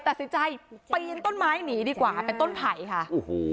ตัดสินใจปีนต้นไม้หนีดีกว่าเป็นต้นไผ่ค่ะโอ้โห